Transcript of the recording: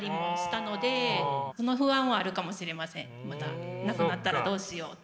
またなくなったらどうしようって。